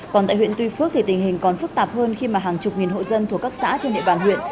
còn tại huyện tuy phước thì tình hình còn phức tạp hơn khi mà hàng chục nghìn hộ dân thuộc các xã trên địa bàn huyện